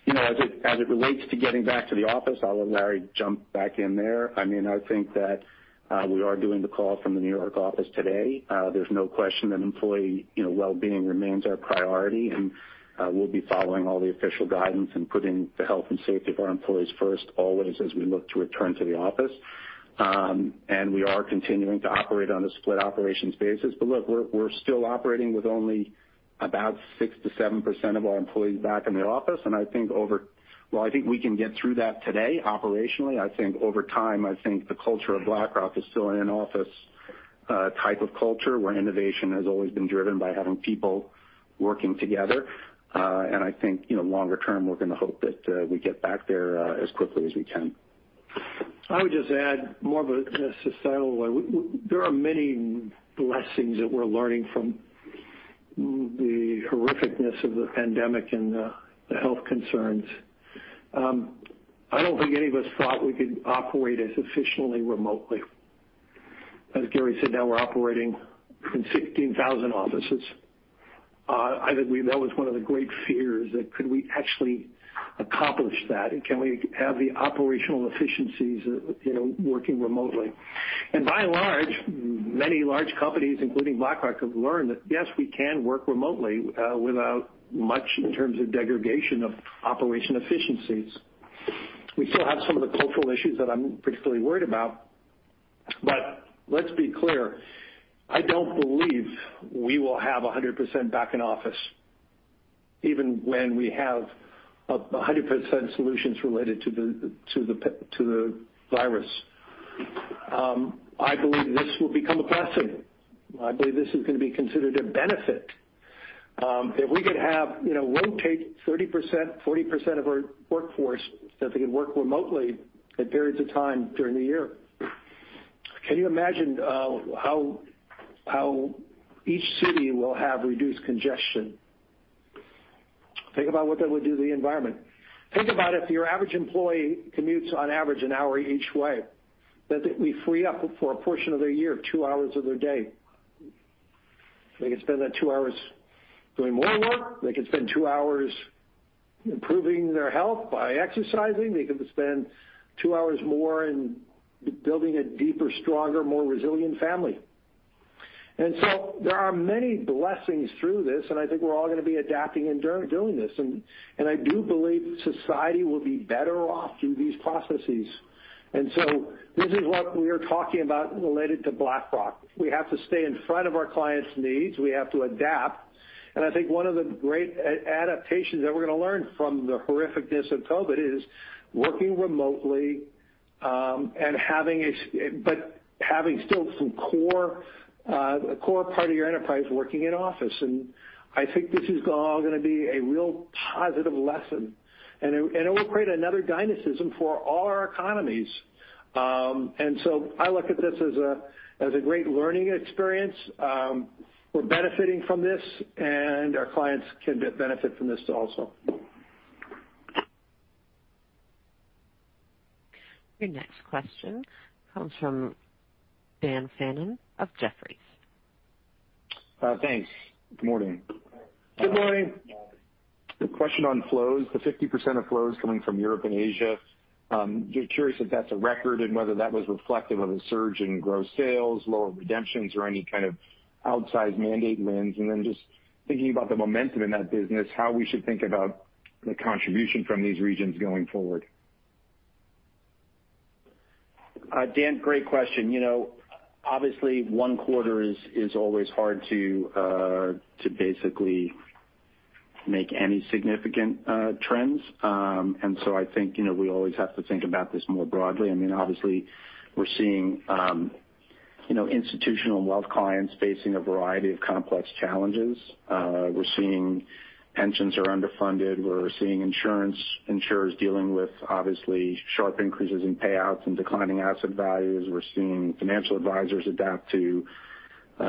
As it relates to getting back to the office, I'll let Larry jump back in there. I think that we are doing the call from the New York office today. There's no question that employee well-being remains our priority, and we'll be following all the official guidance and putting the health and safety of our employees first always as we look to return to the office. We are continuing to operate on a split operations basis. Look, we're still operating with only about 6%-7% of our employees back in the office. While I think we can get through that today operationally, I think over time, I think the culture of BlackRock is still an in-office type of culture where innovation has always been driven by having people working together. I think longer term, we're going to hope that we get back there as quickly as we can. I would just add more of a societal way. There are many lessons that we're learning from the horrificness of the pandemic and the health concerns. I don't think any of us thought we could operate as efficiently remotely. As Gary said, now we're operating in 16,000 offices. I think that was one of the great fears, that could we actually accomplish that? Can we have the operational efficiencies working remotely? By and large, many large companies, including BlackRock, have learned that yes, we can work remotely without much in terms of degradation of operation efficiencies. We still have some of the cultural issues that I'm particularly worried about. Let's be clear. I don't believe we will have 100% back in office, even when we have 100% solutions related to the virus. I believe this will become a blessing. I believe this is going to be considered a benefit. If we could have rotate 30%, 40% of our workforce, that they can work remotely at periods of time during the year. Can you imagine how each city will have reduced congestion? Think about what that would do to the environment. Think about if your average employee commutes on average an hour each way, that we free up for a portion of their year, two hours of their day. They could spend that two hours doing more work. They could spend two hours improving their health by exercising. They could spend two hours more in building a deeper, stronger, more resilient family. There are many blessings through this, and I think we're all going to be adapting and doing this. I do believe society will be better off through these processes. This is what we are talking about related to BlackRock. We have to stay in front of our clients' needs. We have to adapt. I think one of the great adaptations that we're going to learn from the horrificness of COVID-19 is working remotely but having still some core part of your enterprise working in office. I think this is all going to be a real positive lesson, and it will create another dynamism for all our economies. I look at this as a great learning experience. We're benefiting from this, and our clients can benefit from this also. Your next question comes from Dan Fannon of Jefferies. Thanks. Good morning. Good morning. A question on flows, the 50% of flows coming from Europe and Asia. Just curious if that's a record and whether that was reflective of a surge in gross sales, lower redemptions, or any kind of outsized mandate wins. Then just thinking about the momentum in that business, how we should think about the contribution from these regions going forward. Dan, great question. Obviously, one quarter is always hard to basically make any significant trends. I think we always have to think about this more broadly. Obviously, we're seeing institutional wealth clients facing a variety of complex challenges. We're seeing pensions are underfunded. We're seeing insurers dealing with, obviously, sharp increases in payouts and declining asset values. We're seeing financial advisors adapt to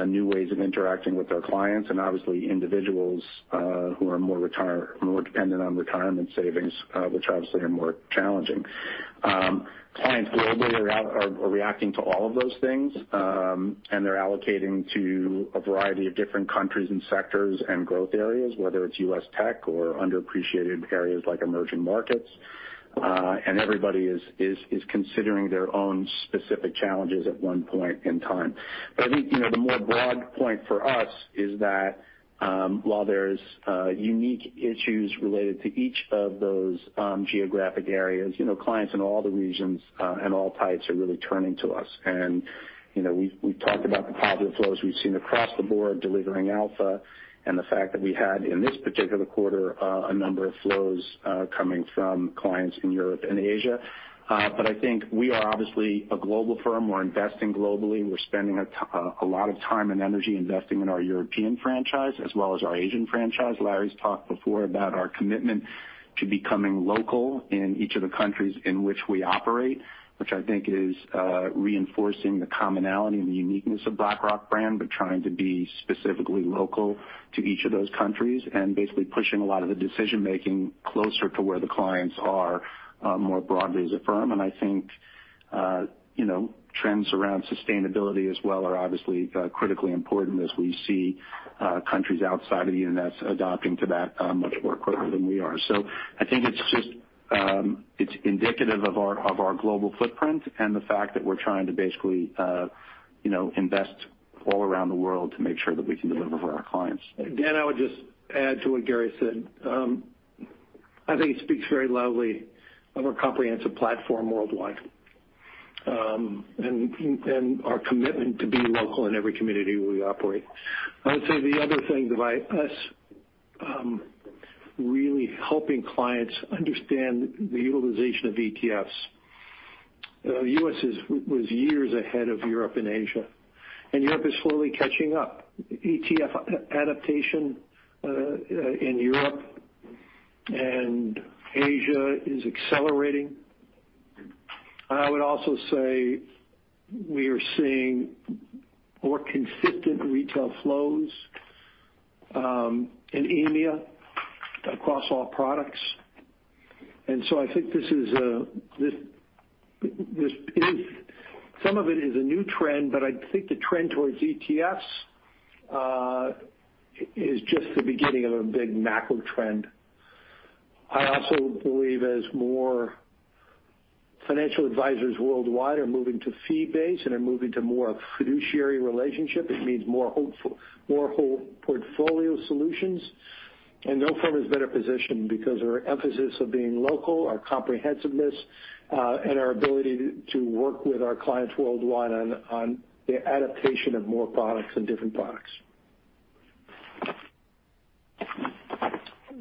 new ways of interacting with their clients and obviously individuals who are more dependent on retirement savings, which obviously are more challenging. Clients globally are reacting to all of those things, and they're allocating to a variety of different countries and sectors and growth areas, whether it's U.S. tech or underappreciated areas like emerging markets. Everybody is considering their own specific challenges at one point in time. I think, the more broad point for us is that, while there's unique issues related to each of those geographic areas, clients in all the regions and all types are really turning to us. We've talked about the positive flows we've seen across the board delivering alpha and the fact that we had, in this particular quarter, a number of flows coming from clients in Europe and Asia. I think we are obviously a global firm. We're investing globally. We're spending a lot of time and energy investing in our European franchise as well as our Asian franchise. Larry's talked before about our commitment to becoming local in each of the countries in which we operate, which I think is reinforcing the commonality and the uniqueness of BlackRock brand, but trying to be specifically local to each of those countries and basically pushing a lot of the decision-making closer to where the clients are more broadly as a firm. I think trends around sustainability as well are obviously critically important as we see countries outside of the U.S. adapting to that much more quickly than we are. I think it's indicative of our global footprint and the fact that we're trying to basically invest all around the world to make sure that we can deliver for our clients. Dan, I would just add to what Gary said. I think it speaks very loudly of our comprehensive platform worldwide, and our commitment to being local in every community we operate. I would say the other thing is us really helping clients understand the utilization of ETFs. U.S. was years ahead of Europe and Asia, and Europe is slowly catching up. ETF adaptation in Europe and Asia is accelerating. I would also say we are seeing more consistent retail flows in EMEA across all products. I think some of it is a new trend, but I think the trend towards ETFs is just the beginning of a big macro trend. I also believe as more financial advisors worldwide are moving to fee-based and are moving to more a fiduciary relationship, it means more whole portfolio solutions. No firm is better positioned because our emphasis of being local, our comprehensiveness, and our ability to work with our clients worldwide on the adaptation of more products and different products.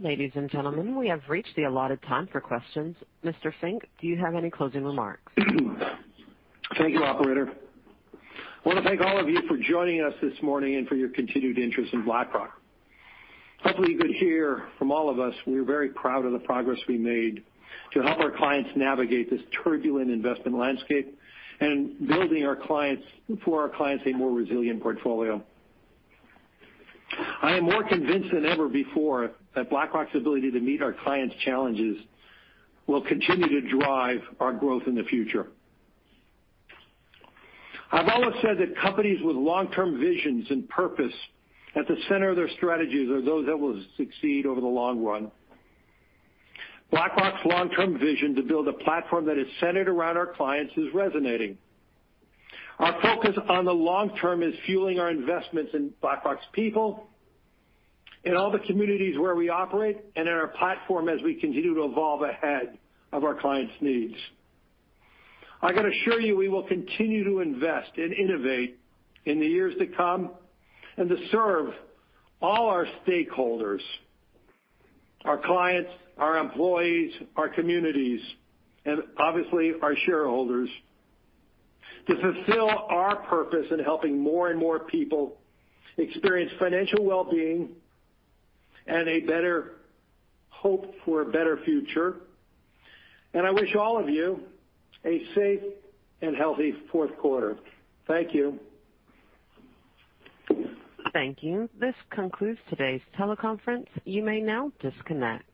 Ladies and gentlemen, we have reached the allotted time for questions. Mr. Fink, do you have any closing remarks? Thank you, operator. I want to thank all of you for joining us this morning and for your continued interest in BlackRock. Hopefully, you could hear from all of us, we're very proud of the progress we made to help our clients navigate this turbulent investment landscape, building for our clients a more resilient portfolio. I am more convinced than ever before that BlackRock's ability to meet our clients' challenges will continue to drive our growth in the future. I've always said that companies with long-term visions and purpose at the center of their strategies are those that will succeed over the long run. BlackRock's long-term vision to build a platform that is centered around our clients is resonating. Our focus on the long term is fueling our investments in BlackRock's people, in all the communities where we operate, and in our platform as we continue to evolve ahead of our clients' needs. I can assure you we will continue to invest and innovate in the years to come and to serve all our stakeholders, our clients, our employees, our communities, and obviously our shareholders to fulfill our purpose in helping more and more people experience financial well-being and a better hope for a better future. I wish all of you a safe and healthy fourth quarter. Thank you. Thank you. This concludes today's teleconference. You may now disconnect.